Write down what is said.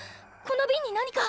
このビンに何か！